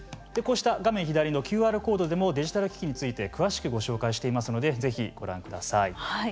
こうした画面左のＱＲコードでもデジタル機器について詳しくご紹介していますので是非ご覧ください。